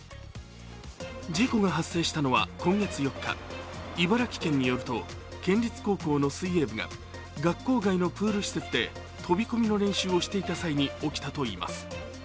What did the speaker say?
事故が発生したのは今月４日、茨城県によると県立高校の水泳部が学校外のプール施設で飛び込みの練習をしていた際に起きたといいます。